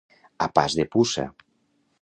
A pas de puça.